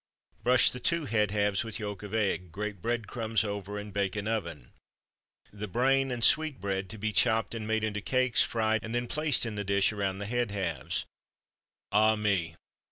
Brush the two head halves with yolk of egg, grate bread crumbs over, and bake in oven. The brain and sweetbread to be chopped and made into cakes, fried, and then placed in the dish around the head halves. Ah me!